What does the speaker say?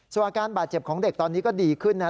ส่วนอาการบาดเจ็บของเด็กตอนนี้ก็ดีขึ้นนะครับ